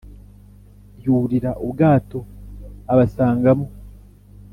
Yurira ubwato abasangamo